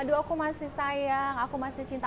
aduh aku masih sayang aku masih cinta